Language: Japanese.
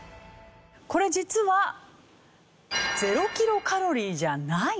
これ実は０キロカロリーじゃない！？